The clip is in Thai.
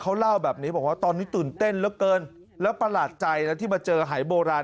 เขาเล่าแบบนี้บอกว่าตอนนี้ตื่นเต้นเหลือเกินแล้วประหลาดใจนะที่มาเจอหายโบราณ